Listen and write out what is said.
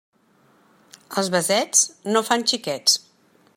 Els besets no fan xiquets.